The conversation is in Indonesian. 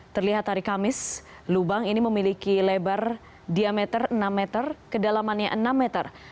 terlihat hari kamis lubang ini memiliki lebar diameter enam meter kedalamannya enam meter